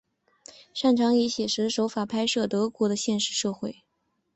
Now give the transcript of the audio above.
擅长以写实的手法拍摄德国的现实社会。